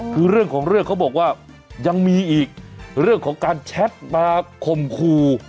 คือเรื่องของเรื่องเขาบอกว่ายังมีอีกเรื่องของการแชทมาคมคู่